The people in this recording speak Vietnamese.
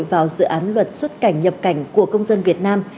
vào dự án luật xuất cảnh nhập cảnh của công dân việt nam